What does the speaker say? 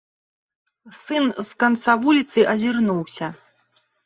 Сын з канца вуліцы азірнуўся.